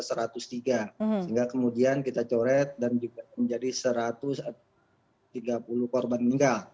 sehingga kemudian kita coret dan juga menjadi satu ratus tiga puluh korban meninggal